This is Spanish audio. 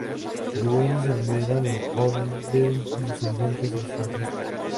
Los husos se numeran en orden ascendente hacia el este.